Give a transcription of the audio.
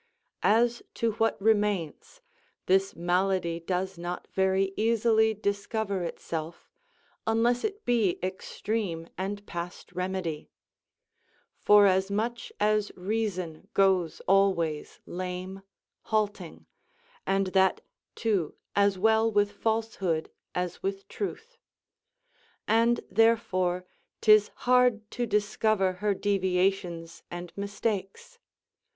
As to what remains, this malady does not very easily discover itself, unless it be extreme and past remedy; forasmuch as reason goes always lame, halting, and that too as well with falsehood as with truth; and therefore 'tis hard to discover her deviations and mistakes.